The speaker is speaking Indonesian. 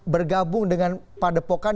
bergabung dengan padepokan